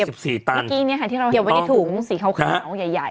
เมื่อกี้เนี่ยค่ะที่เราเห็นว่างที่ถูกสีขาวใหญ่